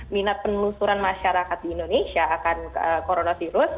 minat penelusuran masyarakat di indonesia akan coronavirus